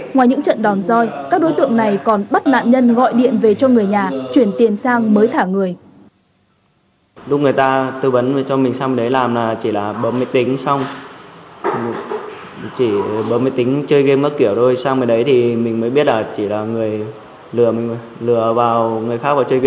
ngoài những trận đòn roi các đối tượng này còn bắt nạn nhân gọi điện về cho người nhà chuyển tiền sang mới thả người